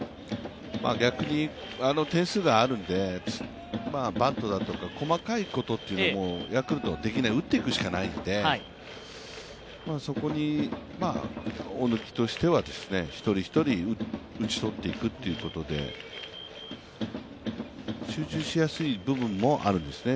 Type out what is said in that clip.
点数があるんでバントだとか細かいことはヤクルトはできない、打っていくしかないんで、そこに大貫としては一人一人打ち取っていくということで集中しやすい部分もあるんですね。